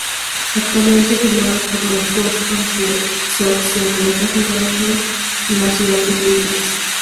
Actualmente, firmado por los Boston Red Sox, se encuentra jugando en las grandes ligas.